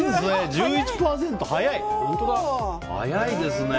１１％、早いですね！